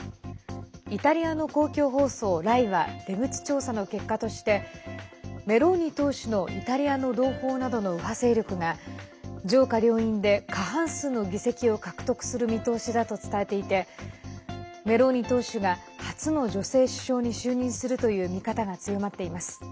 イタリアの公共放送ＲＡＩは出口調査の結果としてメローニ党首のイタリアの同胞などの右派勢力が上下両院で過半数の議席を獲得する見通しだと伝えていてメローニ党首が初の女性首相に就任するという見方が強まっています。